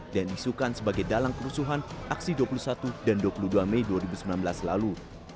dan diisukan sebagai dalam keresuhan aksi dua puluh satu dan dua puluh dua mei dua ribu sembilan belas lalu